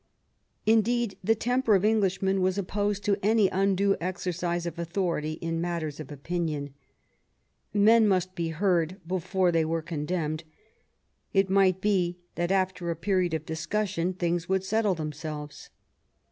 Indeed the temper of Englishmen was opposed to any undue exercise of authority in matters of opinion. Men must be heard before they were condemned. It might be that 128 QUEEN ELIZABETH, after a period of discussion things would settle them selves.